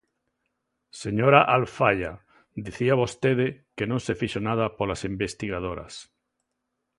Señora Alfaia, dicía vostede que non se fixo nada polas investigadoras.